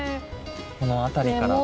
この辺りから。